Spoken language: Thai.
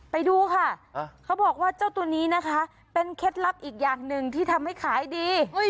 ไปดูค่ะเขาบอกว่าเจ้าตัวนี้นะคะเป็นเคล็ดลับอีกอย่างหนึ่งที่ทำให้ขายดี